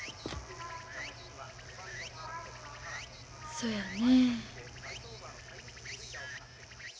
そやね。